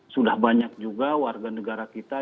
sudah banyak juga warga negara kita